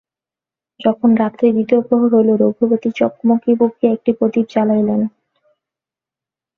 যখন রাত্রি দ্বিতীয় প্রহর হইল, রঘুপতি চকমকি পুঁকিয়া একটি প্রদীপ জালাইলেন।